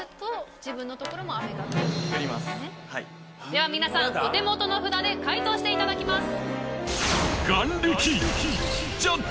では皆さんお手元の札で解答していただきます。